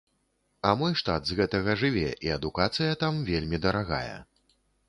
А мой штат з гэтага жыве, і адукацыя там вельмі дарагая.